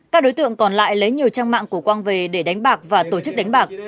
các đối tượng còn lại lấy nhiều trang mạng của quang về để đánh bạc và tổ chức đánh bạc